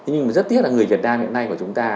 nhưng mà rất tiếc là người việt nam hiện nay của chúng ta